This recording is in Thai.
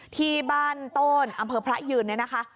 ที่บ้านโต้นอำเภอพระยืน